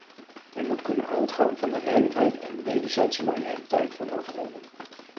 Men moet kunnen uitgaan van de redelijkheid en wederzijdse loyaliteit van overheden.